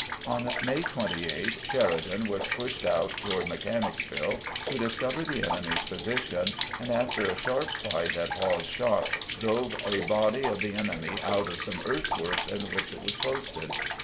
On May 28 Sheridan was pushed out toward Mechan icsville to discover the enemy's position, and after a sharp fight at Haw's Shop, drove a body of the enemy out of some earthworks in which it was posted.